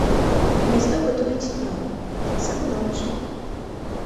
Гняздо будуюць днём, а таксама ноччу.